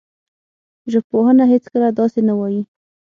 ژبپوهنه هېڅکله داسې نه وايي